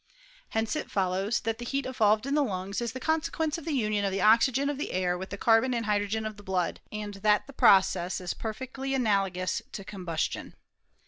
Hence it follows that the heat evolved in the lungs is the consequence of the union of the oxygen of the air with the carbon and hydrogen of the blood, and that the process is perfectly ana logous to combustion.